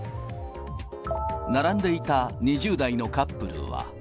並んでいた２０代のカップルは。